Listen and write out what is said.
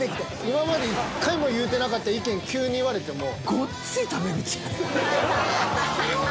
今まで１回も言うてなかった意見急に言われても。